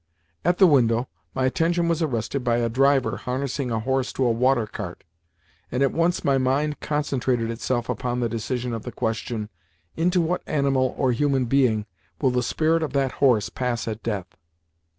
At the window, my attention was arrested by a driver harnessing a horse to a water cart, and at once my mind concentrated itself upon the decision of the question, "Into what animal or human being will the spirit of that horse pass at death?"